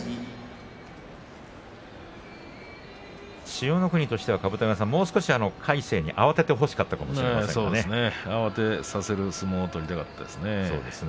千代の国としては、もう少し魁聖に慌ててほしかったかも慌てさせる相撲を取りたかったですね。